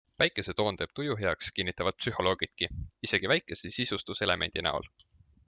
Päikese toon teeb tuju heaks kinnitavad psühholoogidki, isegi väikse sisustuselemendi näol.